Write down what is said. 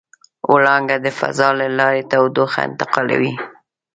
وړانګه د فضا له لارې تودوخه انتقالوي.